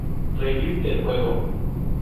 Review del juego